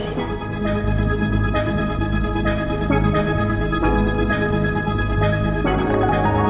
shall ganti baju yuk